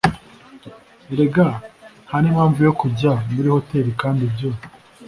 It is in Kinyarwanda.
erega ntanimpamvu yo kujya muri hotel kandi ibyo